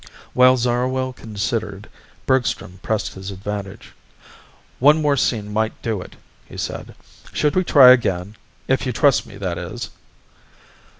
While Zarwell considered, Bergstrom pressed his advantage. "One more scene might do it," he said. "Should we try again if you trust me, that is?"